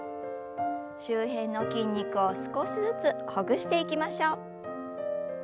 周辺の筋肉を少しずつほぐしていきましょう。